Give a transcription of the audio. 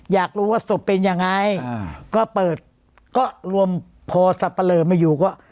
อยากรู้ว่าศพเป็นยังไงอ่าก็เปิดก็รวมพอสับปะเลอมาอยู่ก็